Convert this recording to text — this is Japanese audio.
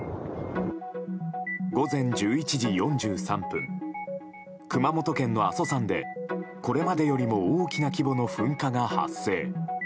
午前１１時４３分熊本県の阿蘇山でこれまでよりも大きな規模の噴火が発生。